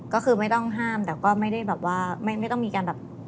ก็คือไม่ต้องห้ามแต่ก็ไม่ได้แบบว่าไม่ต้องมีการแบบ